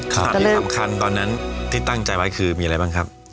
สิ่งที่สำคัญตอนนั้นที่ตั้งใจไว้คือมีอะไรบ้างครับ